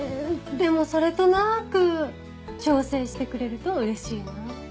でもそれとなく調整してくれるとうれしいなぁ。